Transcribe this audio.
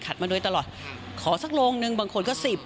ควรตลังไหม